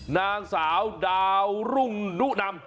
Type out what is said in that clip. นางสาวดาวรุ่งนุนำ